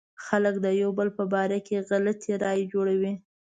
خلک د يو بل په باره کې غلطې رايې جوړوي.